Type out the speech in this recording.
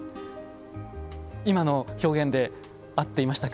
今の表現で合っていましたか？